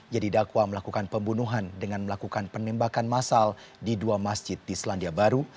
ia didakwa melakukan pembunuhan dengan melakukan penembakan masal di dua masjid di selandia baru